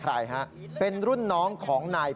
เพราะถูกทำร้ายเหมือนการบาดเจ็บเนื้อตัวมีแผลถลอก